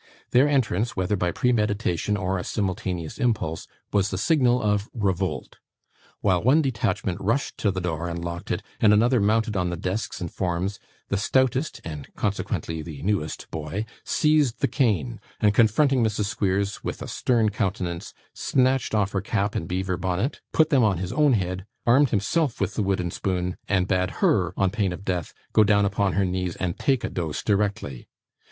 Their entrance, whether by premeditation or a simultaneous impulse, was the signal of revolt. While one detachment rushed to the door and locked it, and another mounted on the desks and forms, the stoutest (and consequently the newest) boy seized the cane, and confronting Mrs. Squeers with a stern countenance, snatched off her cap and beaver bonnet, put them on his own head, armed himself with the wooden spoon, and bade her, on pain of death, go down upon her knees and take a dose directly.